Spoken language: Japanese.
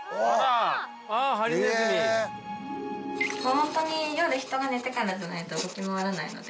本当に夜人が寝てからじゃないと動き回らないので。